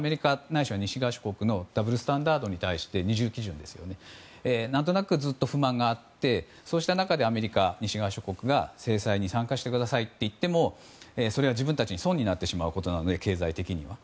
ないしは西側諸国のダブルスタンダードに対して何となくずっと不満があってそうした中でアメリカ、西側諸国が制裁に参加してくださいと言ってもそれは自分たちの損になってしまうことなので経済的には。